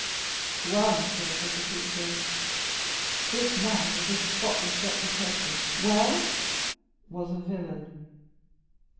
"Well, monsieur," said Bertuccio, "this man with this spotless reputation——" "Well?" "Was a villain."